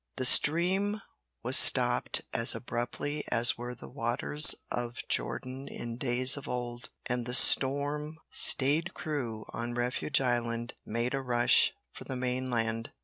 The stream was stopped as abruptly as were the waters of Jordan in days of old, and the storm staid crew on refuge island made a rush for the mainland.